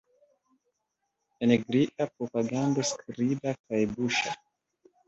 Energia propagando skriba kaj buŝa.